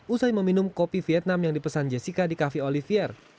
usai meminum kopi vietnam yang dipesan jessica di cafe olivier